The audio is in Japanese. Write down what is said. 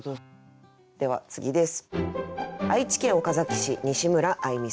では次です。